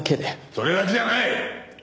それだけじゃない！